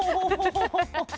ハハハハハ！